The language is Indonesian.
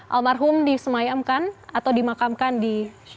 almarhum disemayamkan atau dimakamkan di